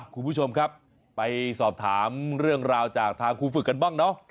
คุณผู้ชมครับไปสอบถามเรื่องราวจากทางครูฝึกกันบ้างเนาะ